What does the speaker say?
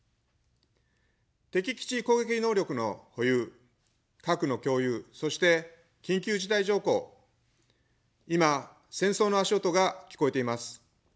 敵基地攻撃能力の保有、核の共有、そして緊急事態条項、今戦争の足音が聞こえています。